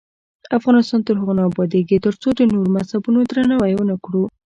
افغانستان تر هغو نه ابادیږي، ترڅو د نورو مذهبونو درناوی ونکړو.